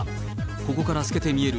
ここから透けて見える